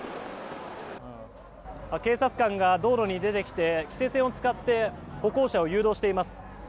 警察官が道路に出てきて規制線を使って歩行者を誘導しています。